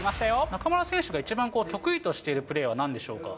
中村選手が一番得意としているプレーはなんでしょうか？